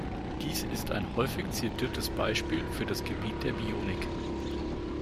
Dies ist ein häufig zitiertes Beispiel für das Gebiet der Bionik.